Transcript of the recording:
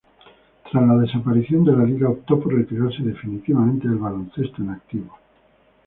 Tras la desaparición de la liga, optó por retirarse definitivamente del baloncesto en activo.